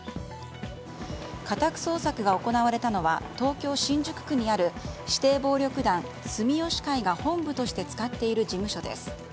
家宅捜索が行われたのは東京・新宿区にある指定暴力団住吉会が本部として使っている事務所です。